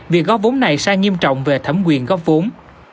việc góp vốn này sai nghiêm trọng về thẩm quyền góp vốn